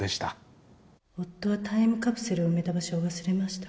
夫はタイムカプセルを埋めた場所を忘れました